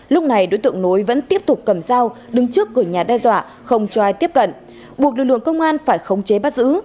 lúc này đối tượng nối vẫn tiếp tục cầm dao đứng trước cửa nhà đe dọa không cho ai tiếp cận buộc lực lượng công an phải khống chế bắt giữ